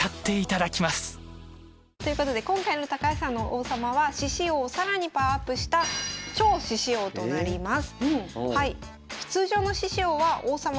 ということで今回の高橋さんの王様は獅子王を更にパワーアップしたというスーパールールになっております。